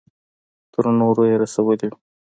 تر نورو يې رسولې وي.